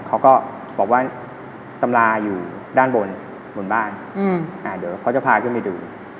เขาก็บอกว่าตำราอยู่ด้านบนบนบ้านเดี๋ยวเขาจะพาขึ้นไปดู